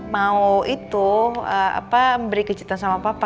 mau itu apa beri kecintaan sama papa